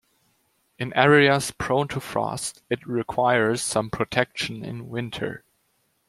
In areas prone to frost, it requires some protection in winter.